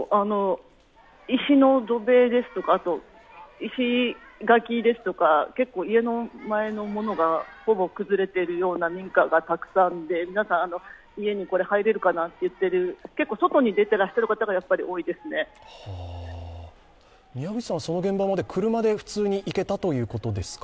石の土塀ですとか、石垣ですとか結構、家の前のものがほぼ崩れているような民家がたくさんで、皆さん、家に入れるかなって言ってる、やっぱり外に出てる方が宮口さんはその現場まで車で普通に行けたということですか？